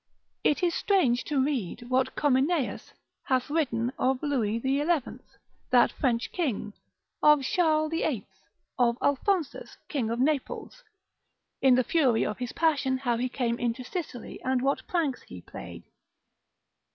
It is strange to read what Cominaeus hath written of Louis XI. that French King; of Charles VIII.; of Alphonsus, King of Naples; in the fury of his passion how he came into Sicily, and what pranks he played.